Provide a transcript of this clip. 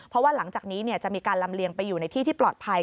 เพราะว่าหลังจากนี้จะมีการลำเลียงไปอยู่ในที่ที่ปลอดภัย